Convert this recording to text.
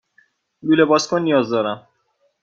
لوله بازکن نیاز دارم.